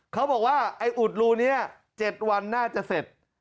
เขาบอกว่าไอ้อุดรูนี้๗วันน่าจะเสร็จ